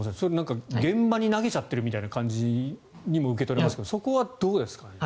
現場に投げちゃっているみたいな感じにも受け取れますけどそこはどうですか？